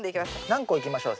何個いきましょう？